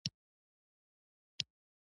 اقتصاد په چټکۍ وغوړېد.